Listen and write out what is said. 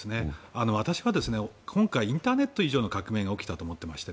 私は今回インターネット以上の革命が起きたと思っていまして。